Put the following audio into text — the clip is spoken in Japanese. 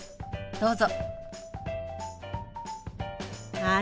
どうぞ。